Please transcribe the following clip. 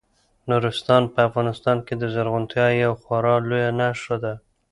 نورستان په افغانستان کې د زرغونتیا یوه خورا لویه نښه ده.